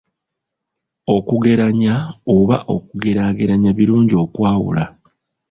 Okugeranya oba okugeraageranya birungi okwawula.